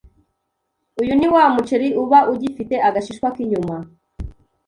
Uyu ni wa muceri uba ugifite agashishwa k’inyuma,